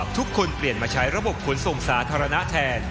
ทุกคนเปลี่ยนมาใช้ระบบขนส่งสาธารณะแทน